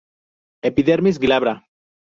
Epidermis glabra.